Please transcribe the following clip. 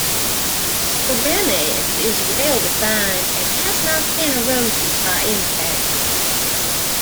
The rim edge is well-defined and has not been eroded by impacts.